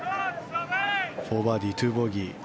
４バーディー２ボギー。